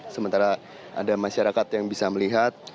sementara ada masyarakat yang bisa melihat